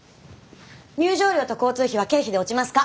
入場料と交通費は経費で落ちますか？